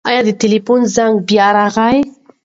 ایا د تلیفون زنګ بیا راغی؟